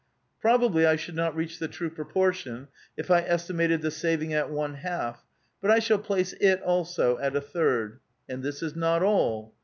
Probably I should not reach the true proportion, if I estimated the saving at one half ; but I shall place it also at a third. And this is not all.